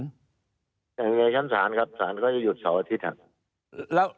ในชั้นสารครับสารก็จะหยุดเสาร์อาทิตย์ครับ